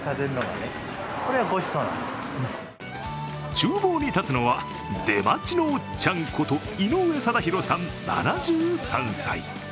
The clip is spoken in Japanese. ちゅう房に立つのは出町のおっちゃんこと井上定博さん、７３歳。